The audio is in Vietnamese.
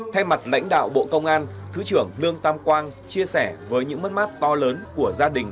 thay mặt lãnh đạo bộ công an thứ trưởng lương tâm quang chia sẻ với những mắt mắt to lớn của gia đình